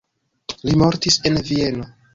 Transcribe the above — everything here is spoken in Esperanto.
Li mortis en Vieno.